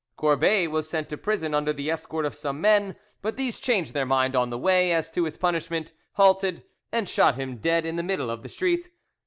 Courbet was sent to prison under the escort of some men, but these changed their minds on the way as to his punishment, halted, and shot him dead in the middle of the street.